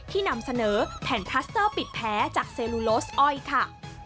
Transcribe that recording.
นำเสนอแผ่นคลัสเตอร์ปิดแพ้จากเซลูโลสอ้อยค่ะ